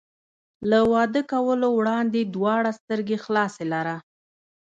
له واده کولو وړاندې دواړه سترګې خلاصې لره.